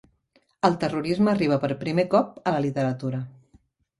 El terrorisme arriba per primer cop a la literatura